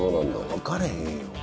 分かれへんよ。